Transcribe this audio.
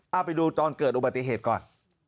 เอาไปดูตอนเกิดอุบัติเหตุก่อน